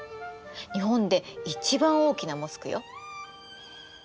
日本で一番大きなモスクよ。